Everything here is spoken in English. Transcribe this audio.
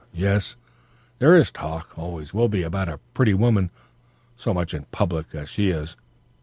Yes, there is talk, always will be about a pretty woman so much in public as she is.